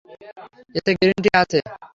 এতে green tea আছে।